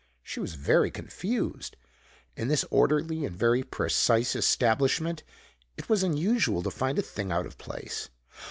She was very confused. In this orderly and very precise establishment it was unusual to find a thing out of place.